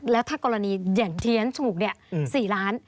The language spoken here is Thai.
แล้วถ้ากรณีอย่างที่ฉันถูก๔ล้าน